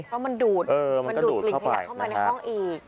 เพราะมันดูดมันดูดกลิ่นขยะเข้ามาในห้องอีก